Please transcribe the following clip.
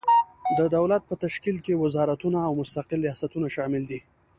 د دولت په تشکیل کې وزارتونه او مستقل ریاستونه شامل دي.